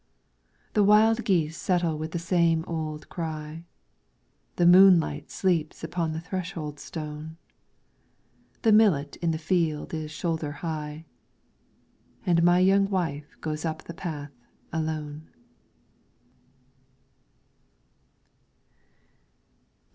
The wild geese settle with the same old cry, The moonlight sleeps upon the threshold stone. The millet in the field is shoulder high, And my young wife goes up the path alone.